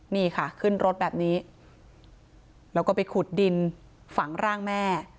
นี่ค่ะขึ้นรถแบบนี้แล้วก็ไปขุดดินฝังร่างแม่